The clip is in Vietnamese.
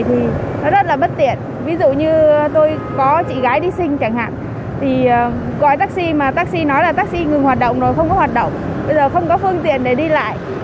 thì nó rất là bất tiện ví dụ như tôi có chị gái đi sinh chẳng hạn thì gọi taxi mà taxi nói là taxi ngừng hoạt động rồi không có hoạt động bây giờ không có phương tiện để đi lại